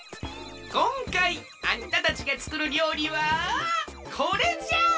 こんかいあんたたちがつくるりょうりはこれじゃ！